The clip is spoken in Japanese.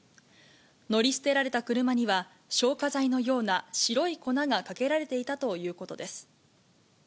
乗り捨てられた車には、消火剤のような白い粉がかけられていたということです。